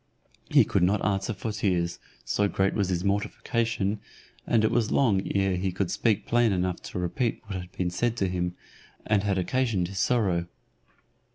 He could not answer for tears, so great was his mortification, and it was long ere he could speak plain enough to repeat what had been said to him, and had occasioned his sorrow.